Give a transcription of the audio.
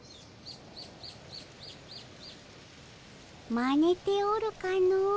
まねておるかの。